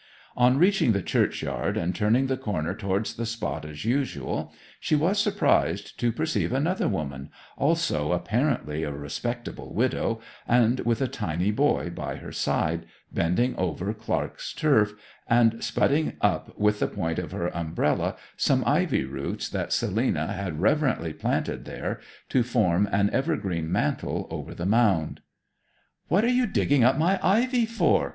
On reaching the churchyard and turning the corner towards the spot as usual, she was surprised to perceive another woman, also apparently a respectable widow, and with a tiny boy by her side, bending over Clark's turf, and spudding up with the point of her umbrella some ivy roots that Selina had reverently planted there to form an evergreen mantle over the mound. 'What are you digging up my ivy for!'